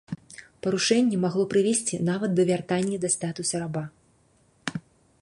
Парушэнне магло прывесці нават да вяртання да статуса раба.